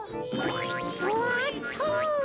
そっと。